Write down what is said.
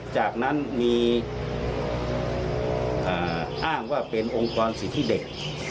จากนั้นมีอ้างว่าเป็นองค์กรสิทธิเด็ก